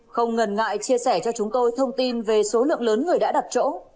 không ngần ngại chia sẻ cho chúng tôi thông tin về số lượng lớn người đã đặt chỗ